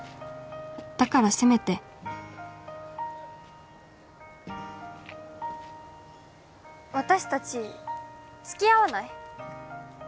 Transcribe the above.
だからせめて私達付き合わない？